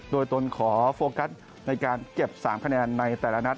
โดยตนขอโฟกัสในการเก็บ๓คะแนนในแต่ละนัด